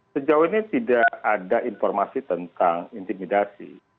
sejauh ini tidak ada informasi tentang intimidasi